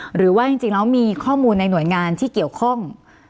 หรือว่าจริงแล้วมีข้อมูลในหน่วยงานที่เกี่ยวข้อง